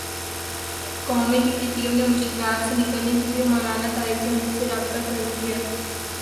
قومی cricket team نے مشکلات سے نکلنے کیلئے مولانا طارق جمیل سے رابطہ کرلیا